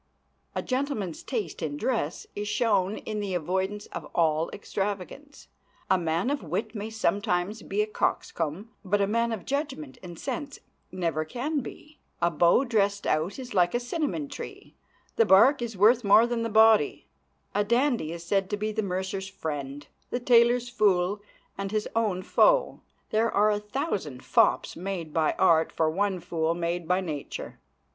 A gentleman's taste in dress is shown in the avoidance of all extravagance. A man of wit may sometimes be a coxcomb, but a man of judgment and sense never can be. A beau dressed out is like a cinnamon tree—the bark is worth more than the body. A dandy is said to be the mercer's friend, the tailor's fool, and his own foe. There are a thousand fops made by art for one fool made by nature.